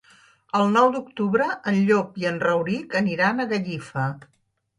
El nou d'octubre en Llop i en Rauric aniran a Gallifa.